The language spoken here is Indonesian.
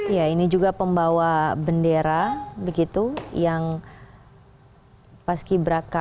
ya ini juga pembawa bendera begitu yang paski braka